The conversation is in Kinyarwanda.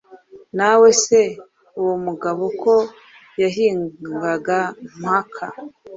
Nawe se, uwo mugabo ko yahingaga mpaka